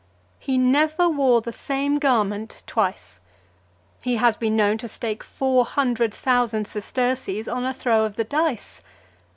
He never wore the same garment twice. He (359) has been known to stake four hundred thousand sesterces on a throw of the dice.